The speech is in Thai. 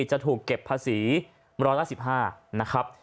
จะถูกเก็บภาษีร้อยละ๑๕นะครับ